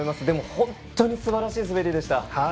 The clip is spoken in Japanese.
でも、本当にすばらしい滑りでした。